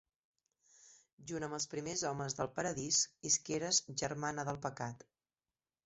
Junt amb els primers homes del paradís isqueres, germana del pecat.